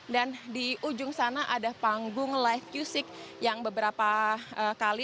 dan di ujung sana ada panggung live music yang beberapa kali